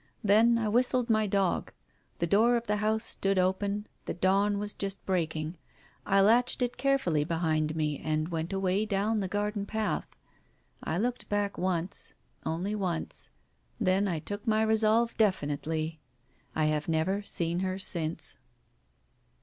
Then I whistled my dog. The door of the house stood open, the dawn was just breaking. I latched it carefully behind me, and went away down the garden path. I looked back once — only once. Then I took my resolve definitely. I have never seen her since.